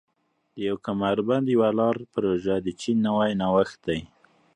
د یو کمربند یوه لار پروژه د چین نوی نوښت دی.